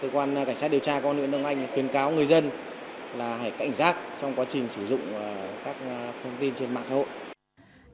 cơ quan cảnh sát điều tra công an huyện đông anh khuyến cáo người dân là hãy cảnh giác trong quá trình sử dụng các thông tin trên mạng xã hội